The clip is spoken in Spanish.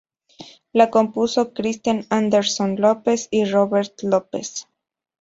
La compuso Kristen Anderson-Lopez y Robert Lopez.